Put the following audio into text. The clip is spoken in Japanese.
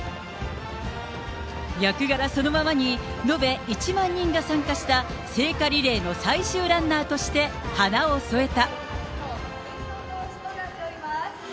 役柄そのままに、延べ１万人が参加した聖火リレーの最終ランナーとして華を添えた。